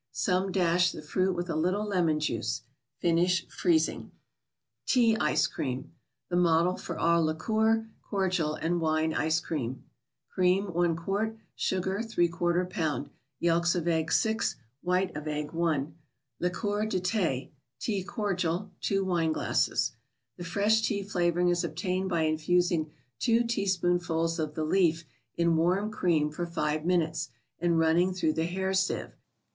Some " dash " the fruit with a little lemon juice. Finish freezing. Cca ScC'Cream. The Model for all Liqueur , Cordial and Wine Ice Cream . Cream, 1 qt.; Sugar, X lb.; Yelks of eggs, 6 ; White of egg. 1 ; Liqueur de Th6 (tea cordial), two wineglasses. The fresh tea flavoring is obtained by infusing two teaspoonfuls of the leaf in warm cream for five minutes and running through the hair sieve.